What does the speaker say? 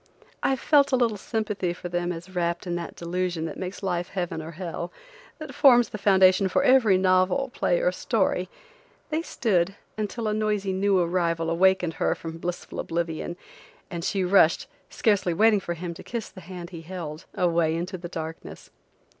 I felt a little sympathy for them as wrapped in that delusion that makes life heaven or hell, that forms the foundation for every novel, play or story, they stood, until a noisy new arrival wakened her from blissful oblivion, and she rushed, scarcely waiting for him to kiss the hand he held, away into the darkness.